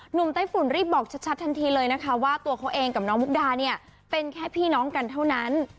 ไต้ฝุ่นรีบบอกชัดทันทีเลยนะคะว่าตัวเขาเองกับน้องมุกดาเนี่ยเป็นแค่พี่น้องกันเท่านั้น